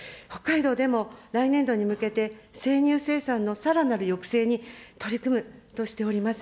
北海道でも来年度に向けて生乳生産のさらなる抑制に取り組むとしております。